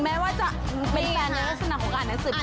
แม้ว่าจะเป็นแฟนแล้วก็สนับของการอ่านหนังสือพิมพ์